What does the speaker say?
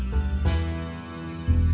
tidak ada apa apa